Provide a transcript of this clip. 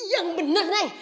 yang bener nay